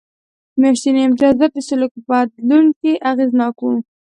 میاشتني امتیازات د سلوک په بدلون کې اغېزناک و.